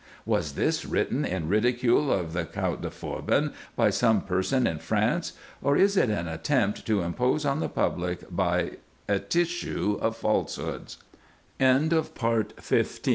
Was this written in ridicule of the Count de Forbin by some person in France ? or is it an attempt to impose on the public by a tissue of false